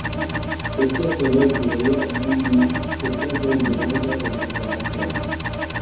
اس کا سبب لائحہ عمل کی سطح پر دونوں کا اتفاق ہے۔